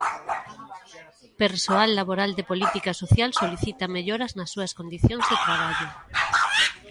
Persoal laboral de Política Social solicita melloras nas súas condicións de traballo.